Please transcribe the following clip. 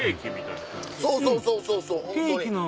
そうそうそうそうそうホントに。